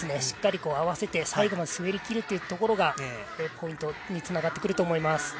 しっかり合わせて最後まで滑りきるというところがポイントにつながってくると思います。